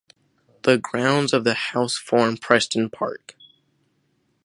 The grounds of the house form Preston Park.